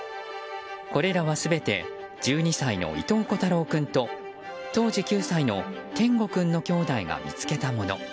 これらは全て１２歳の伊藤瑚太郎君と当時９歳の展梧君の兄弟が見つけたもの。